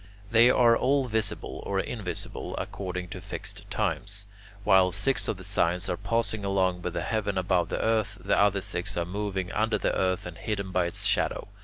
They are all visible or invisible according to fixed times. While six of the signs are passing along with the heaven above the earth, the other six are moving under the earth and hidden by its shadow.